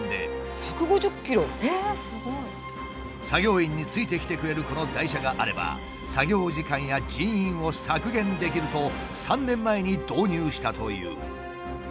作業員についてきてくれるこの台車があれば作業時間や人員を削減できると３年前に導入したという。